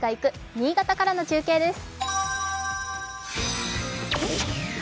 新潟からの中継です。